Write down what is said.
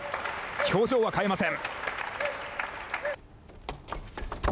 表情は変えません。